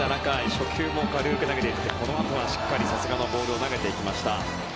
初球、軽く投げて、そのあとはさすがのボールを投げていきました。